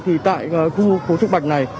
thì tại khu phố trúc bạch này